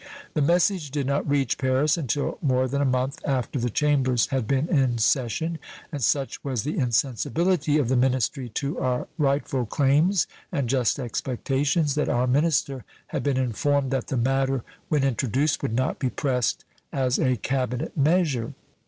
The message did not reach Paris until more than a month after the Chambers had been in session, and such was the insensibility of the ministry to our rightful claims and just expectations that our minister had been informed that the matter when introduced would not be pressed as a cabinet measure.